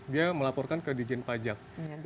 dia melaporkan ke dijen pajak